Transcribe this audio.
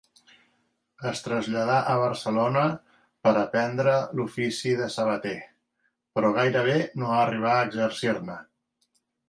Es traslladà a Barcelona per aprendre l'ofici de sabater, però gairebé no arribà a exercir-ne.